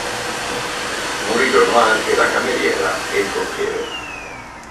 Morirono anche la cameriera e il cocchiere.